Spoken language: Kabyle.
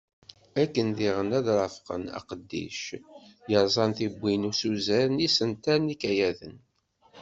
Akken diɣen ara rafqen aqeddic yerzan tiwwin d usuzer n yisental n yikayaden.